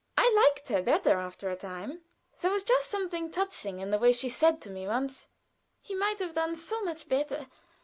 I liked her better after a time. There was something touching in the way in which she said to me once: "He might have done so much better.